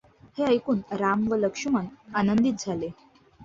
हे ऐकून राम व लक्ष्मण आनंदित झाले.